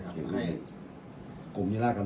ส่วนสุดท้ายส่วนสุดท้าย